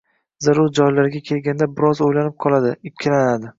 zarur joylarga kelganda biroz “o‘ylanib” qoladi, ikkilanadi.